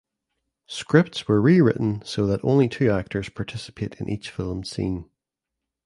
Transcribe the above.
Scripts were rewritten so that only two actors participate in each filmed scene.